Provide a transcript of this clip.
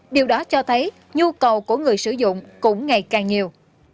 điều đó cho thấy nhu cầu của người sử dụng cũng ngày càng nhiều